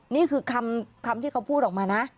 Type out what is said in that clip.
นี่คือคำที่เขาพูดออกมานะ